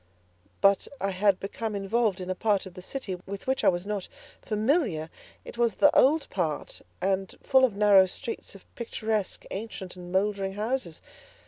But I had become involved in a part of the city with which I was not familiar; it was the old part, and full of narrow streets of picturesque, ancient, and mouldering houses.